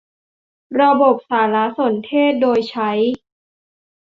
ระบบสารสนเทศโดยใช้